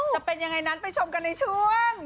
จะเป็นยังไงนั้นไปชมกันในช่วง